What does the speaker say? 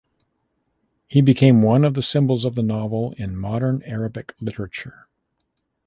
He became one of the symbols of the novel in modern Arabic literature.